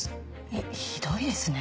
えっひどいですね。